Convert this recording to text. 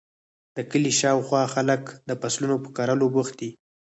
د کلي شااوخوا خلک د فصلونو په کرلو بوخت دي.